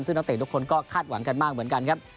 ซึ่งนักเตะทุกคนก็คาดหวังกันมากเหมือนกันครับ